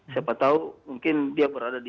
siapa tahu mungkin dia berada di